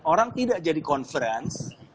orang tidak jadi conference